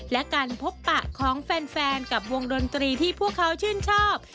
และการพบปะของแฟนกับวงดนตรีที่พวกเขาชื่นชอบ